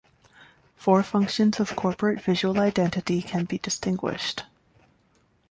Four functions of corporate visual identity can be distinguished.